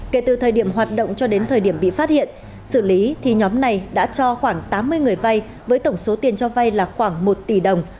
kể từ thời điểm hoạt động cho đến thời điểm bị phát hiện xử lý thì nhóm này đã cho khoảng tám mươi người vay với tổng số tiền cho vay là khoảng một tỷ đồng